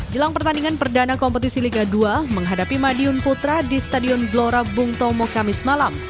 jelang pertandingan perdana kompetisi liga dua menghadapi madiun putra di stadion glora bung tomo kamis malam